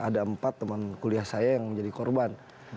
ada empat teman kuliah saya yang menjadi korban